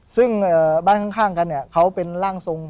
ซึ่งบ้านข้างกันเนี่ยเขาเป็นร่างทรง